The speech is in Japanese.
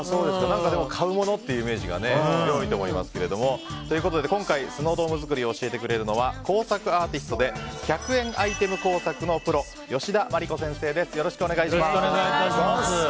買うものというイメージが強いと思いますが今回、スノードーム作りを教えてくれるのは工作アーティストで１００円アイテム工作のプロ吉田麻理子先生です。